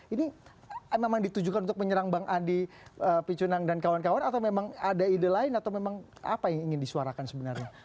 ini memang ditujukan untuk menyerang bang andi picunang dan kawan kawan atau memang ada ide lain atau memang apa yang ingin disuarakan sebenarnya